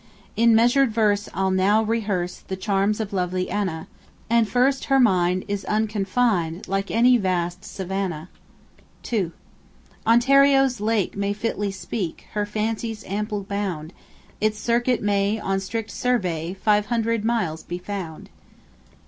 In measured verse I'll now rehearse The charms of lovely Anna: And, first, her mind is unconfined Like any vast savannah. 2. Ontario's lake may fitly speak Her fancy's ample bound: Its circuit may, on strict survey Five hundred miles be found.